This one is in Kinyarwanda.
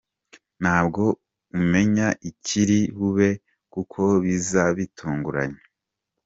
Ntabwo umenya ikiri bube kuko biza bitunguranye.